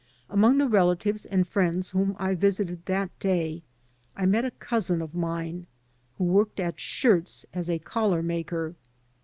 Among the relatives and friends whom I visited that day I met a cousin of mine who worked at shirts as a collar maker.